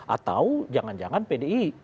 atau jangan jangan pdi